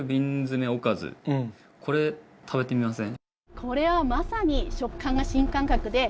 これ、食べてみません？